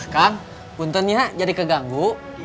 kan buntennya jadi keganggu